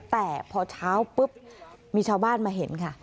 แต่พอเช้าปุ๊บมีชาวบ้านมาเห็นค่ะ